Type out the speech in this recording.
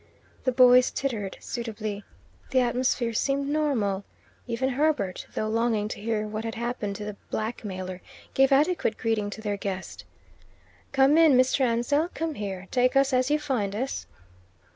The boys tittered suitably. The atmosphere seemed normal. Even Herbert, though longing to hear what had happened to the blackmailer, gave adequate greeting to their guest: "Come in, Mr. Ansell; come here. Take us as you find us!"